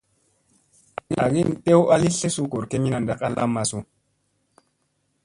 Agi tew a li tlesu goor kemina ɗak a lamma su ?